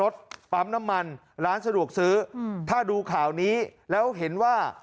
ถ้าดูข่าวนี้แล้วเห็นว่า